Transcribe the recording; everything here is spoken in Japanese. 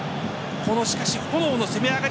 しかし、炎の攻め上がり。